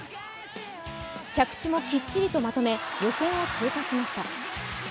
着地もきっちりとまとめ予選を通過しました。